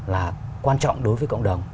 là quan trọng đối với cộng đồng